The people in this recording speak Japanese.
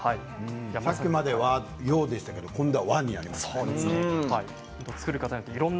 さっきまでは洋だったけど今度は和になりました。